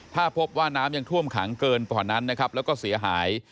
ถ้าพบว่าน้ำยังท่วมขังเกินเสียหาย